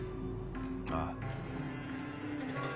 ああ。